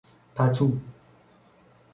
پتو